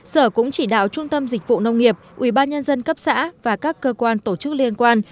sở cũng chỉ đạo trung tâm dịch vụ nông nghiệp ubnd cấp xã và các cơ quan tổ chức liên quan